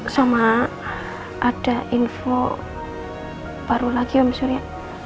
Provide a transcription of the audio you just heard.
sama ada info baru lagi om surya